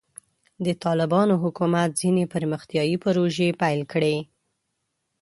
د طالبانو حکومت ځینې پرمختیایي پروژې پیل کړې.